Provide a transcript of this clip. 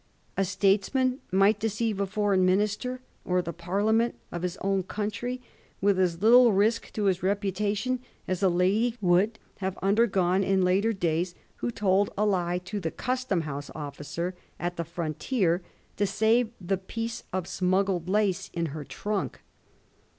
A states man might deceive a foreign minister or the Parlia ment of his own country with as little risk to his reputation as a lady would have imdergone in later days who told a lie to the Custom House officer at the fix)ntier to save the piece of smuggled lace in her trunk.